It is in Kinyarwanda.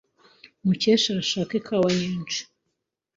Mukesha arashaka ikawa nyinshi.